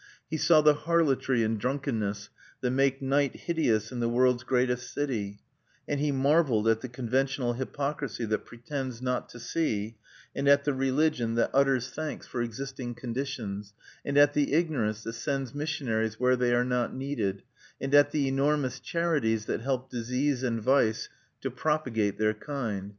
He saw the harlotry and drunkenness that make night hideous in the world's greatest city; and he marveled at the conventional hypocrisy that pretends not to see, and at the religion that utters thanks for existing conditions, and at the ignorance that sends missionaries where they are not needed, and at the enormous charities that help disease and vice to propagate their kind.